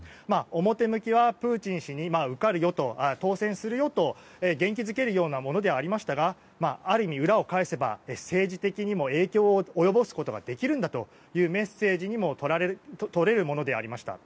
表向きはプーチン氏に受かるよ、当選するよと元気づけるようなものではありましたがある意味、裏を返せば政治的にも影響を及ぼすことができるんだというメッセージともとれるものでありました。